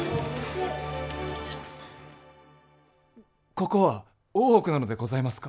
ここは大奥なのでございますか？